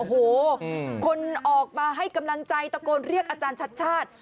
โอ้โหคนออกมาให้กำลังใจตะโกนเรียกอาจารย์ชัดชาติ